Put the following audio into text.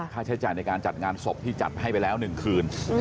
ค่าใช้จ่ายในการจัดงานศพที่จัดให้ไปแล้ว๑คืน